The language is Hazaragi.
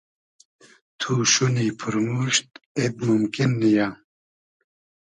تو شونی پورموشت اید مومکین نییۂ